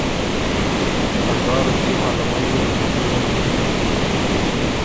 ا زار رُوپئے م علمئ زرګري کی ووتکِن